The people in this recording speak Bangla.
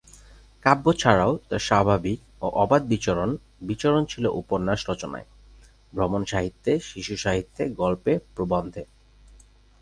কাব্য ছাড়াও তার স্বাভাবিক ও অবাধ বিচরণ বিচরণ ছিল উপন্যাস রচনায়, ভ্রমণ সাহিত্যে, শিশু সাহিত্যে গল্পে, প্রবন্ধে।